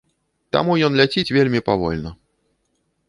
Таму ён ляціць вельмі павольна.